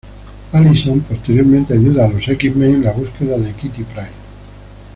Alison posteriormente ayuda a los X-Men en la búsqueda de Kitty Pryde.